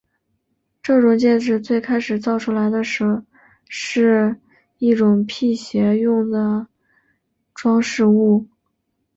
这种戒指最开始造出来时是一种辟邪用的装饰物。